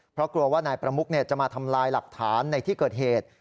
เพราะกลัวว่านายประมุกจะมาทำลายหลักฐานในที่เกิดเหตุ